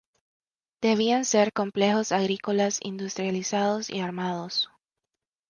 Debían ser "complejos agrícolas industrializados y armados".